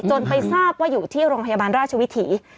จนไปทราบว่าอยู่ที่โรงพยาบาลราชวิถี